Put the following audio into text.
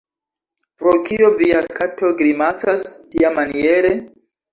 Pro kio via kato grimacas tiamaniere?